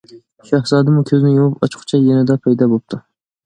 شاھزادىمۇ كۆزنى يۇمۇپ ئاچقۇچە يېنىدا پەيدا بوپتۇ.